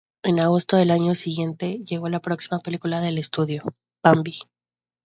En agosto del año siguiente, llegó la próxima película del estudio, "Bambi".